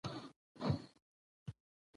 موږ باید ښه اخلاق خپل ورځني عادت کړو